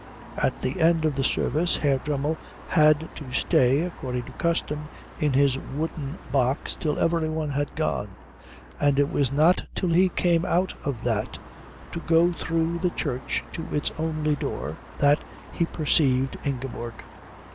At the end of the service Herr Dremmel had to stay according to custom in his wooden box till every one had gone, and it was not till he came out of that to go through the church to its only door that he perceived Ingeborg.